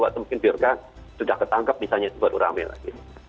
atau mungkin biar nggak sudah ketangkep misalnya buat orang lain lagi